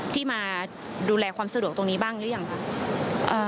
ที่มาดูแลความสะดวกตรงนี้บ้างหรือยังคะ